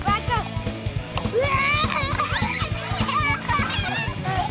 うわ！